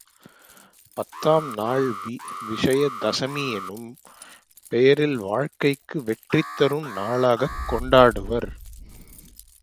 பத்தாம் நாள் விசய தசமி என்னும் பெயரில் வாழ்க்கைக்கு வெற்றி தரும் நாளாகக் கொண்டாடுவர்.